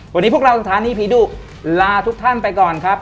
วันนี้พวกเราสถานีผีดุลาทุกท่านไปก่อนครับ